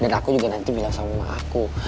dan aku juga nanti bilang sama mama aku